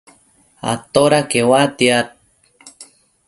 atoda queuatiad?